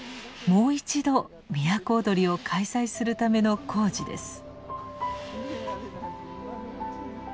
もう一度都をどりを開催するための工事です。